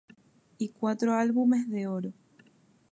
Y cuatro álbumes de oro.